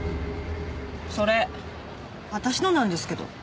それ私のなんですけど。